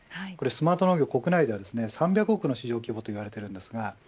スマート農業は国内では３００億の市場規模といわれています。